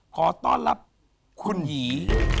ขอต้อนรับคุณหยี